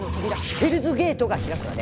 ヘルズゲートが開くわね。